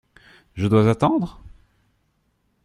Je dois attendre ?